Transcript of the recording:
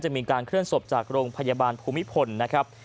มีการเคลื่อนศพจากโรงพยาบาลภูมิพลนะครับ